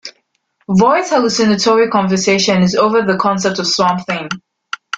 Roy's hallucinatory conversation is over the concept of Swamp Thing.